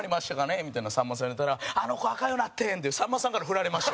みたいなのをさんまさんに言ったら、「あの子アカンようになってん」ってさんまさんからフラれました。